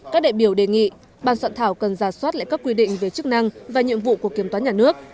các đại biểu đề nghị ban soạn thảo cần ra soát lại các quy định về chức năng và nhiệm vụ của kiểm toán nhà nước